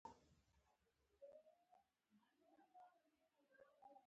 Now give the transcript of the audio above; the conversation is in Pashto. مرهټیانو خپل کنټرول ټینګ کړی دی.